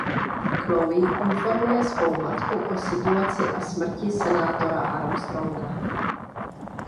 Chloe informuje svou matku o situaci a smrti senátora Armstronga.